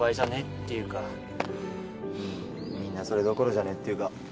みんなそれどころじゃねえっていうか